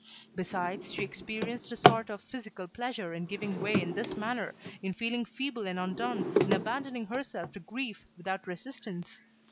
Besides, she experienced a sort of physical pleasure in giving way in this manner, in feeling feeble and undone, in abandoning herself to grief without resistance.